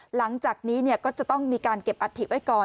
หลังจากนี้ก็จะต้องมีการเก็บอัฐิไว้ก่อน